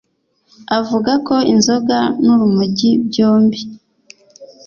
avuga ko inzoga nurumogi byombi